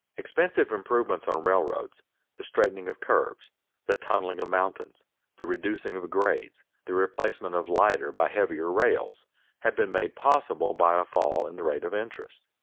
Expensive improvements on railroads, the straightening of curves, the tunneling of mountains, the reducing of grades, the replacement of lighter by heavier rails, have been made possible by a fall in the rate of interest.